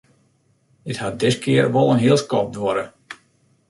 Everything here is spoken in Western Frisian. It hat diskear wol in heel skoft duorre.